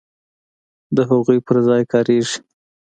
د هغو پر ځای کاریږي.